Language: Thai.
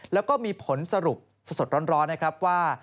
แล้วก็มีผลสรุปสดร้อนนะครับว่า